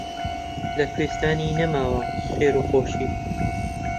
لە کوێستانی نەماوە خێر و خۆشی